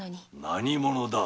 何者だ？